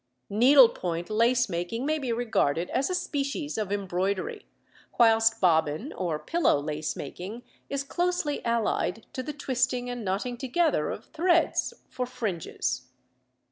Needlepoint lace making may be regarded as a species of embroidery, whilst bobbin or pillow lace making is closely allied to the twisting and knotting together of threads for fringes.